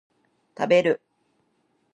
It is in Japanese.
食べる